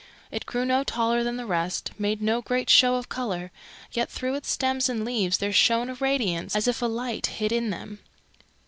It grew no taller than the rest, made no great show of colour, yet through its stems and leaves there shone a radiance as if a light hid in them.